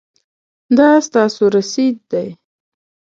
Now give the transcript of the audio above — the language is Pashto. دا ستاسو رسید دی